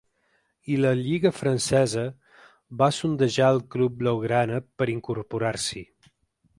I la lliga francesa va sondejar el club blaugrana per a incorporar-s’hi.